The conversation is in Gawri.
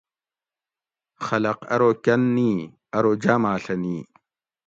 خلق ارو کۤن نی؟ ارو جاماڷہ نی